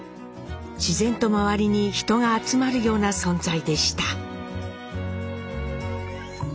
自然と周りに人が集まるような存在でした。